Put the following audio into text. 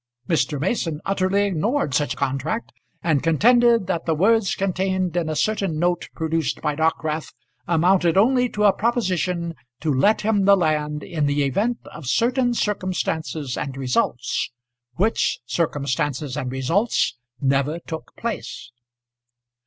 Mr. Mason utterly ignored such contract, and contended that the words contained in a certain note produced by Dockwrath amounted only to a proposition to let him the land in the event of certain circumstances and results which circumstances and results never took place.